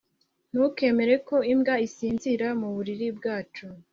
Ntukemere ko imbwa isinzira muburiri bwacu